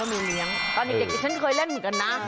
ตอนเด็กผมเคยเล่นอยู่กันน่ะ